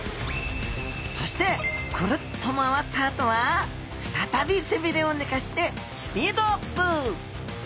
そしてクルッと回ったあとは再び背鰭を寝かせてスピードアップ。